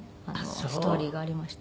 ストーリーがありまして。